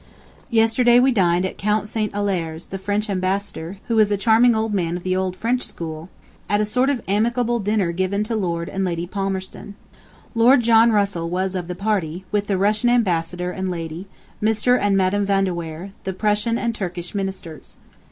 Yesterday we dined at Count St. Aulair's, the French Ambassador, who is a charming old man of the old French school, at a sort of amicable dinner given to Lord and Lady Palmerston. Lord John Russell was of the party, with the Russian Ambassador and lady, Mr. and Madam Van de Weyer, the Prussian and Turkish Ministers.